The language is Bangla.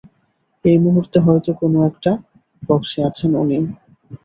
এই মুহূর্তে হয়তো কোনো একটা বক্সে আছেন উনি।